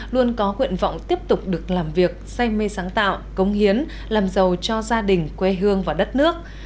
luôn có nguyện vọng tiếp tục được làm việc say mê sáng tạo công hiến làm giàu cho gia đình quê hương và đất nước